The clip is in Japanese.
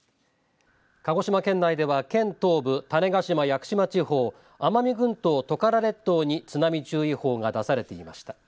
鹿児島県内では県東部、種子島・屋久島地方、奄美群島・トカラ列島に津波注意報が出されていました。